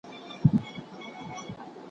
وګړي د سياسي واک تر ټولو مهمه سرچينه ګڼل کېږي.